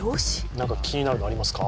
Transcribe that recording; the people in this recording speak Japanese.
何か気になるのありますか？